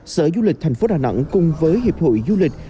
sở du lịch thành phố đà nẵng cùng với hiệp hội du lịch